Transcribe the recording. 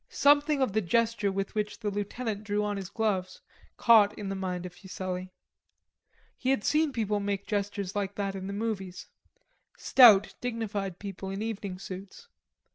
Something of the gesture with which the lieutenant drew on his gloves caught in the mind of Fuselli. He had seen peoople make gestures like that in the movies, stout dignified people in evening suits.